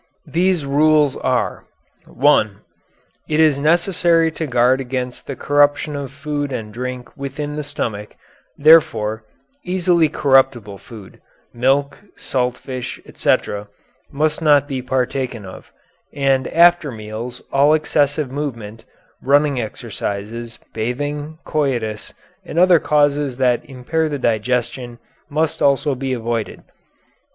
These rules are: (1) It is necessary to guard against the corruption of food and drink within the stomach; therefore, easily corruptible food milk, salt fish, etc. must not be partaken of, and after meals all excessive movement, running exercises, bathing, coitus, and other causes that impair the digestion, must also be avoided.